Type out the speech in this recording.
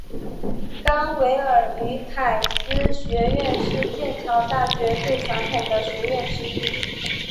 冈维尔与凯斯学院是剑桥大学最传统的学院之一。